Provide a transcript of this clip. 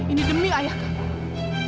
ini demi ayah kamu